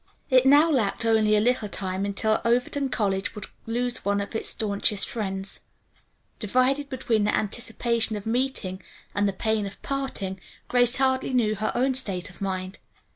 It now lacked only a little time until Overton College would lose one of its staunchest friends. Divided between the anticipation of meeting and the pain of parting, Grace hardly knew her own state of mind.